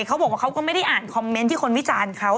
เขาก็ไม่ได้อ่านคอมเมนต์ที่คนวิจารณ์เขา